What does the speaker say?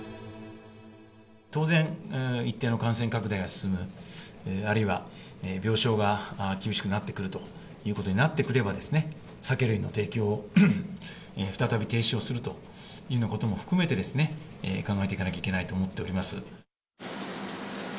当然、一定の感染拡大が進む、あるいは病床が厳しくなってくるということになってくれば、酒類の提供を再び停止をするというようなことも含めて考えていかなきゃいけないと思っております。